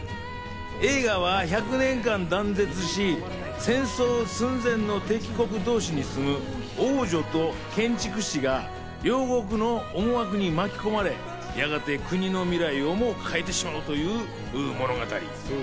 映画は１００年間断絶し、戦争寸前の敵国同士に住む王女と建築士が両国の思惑に巻き込まれ、やがて国の未来をも変えてしまうという物語。